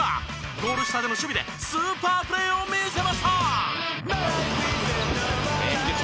ゴール下での守備でスーパープレーを見せました！